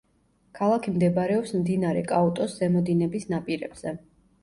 ქალაქი მდებარეობს მდინარე კაუტოს ზემო დინების ნაპირებზე.